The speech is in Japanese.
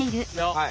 はい。